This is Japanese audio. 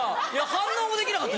反応もできなかった。